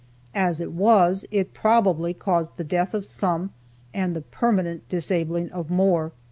As it was, it probably caused the death of some, and the permanent disabling of more.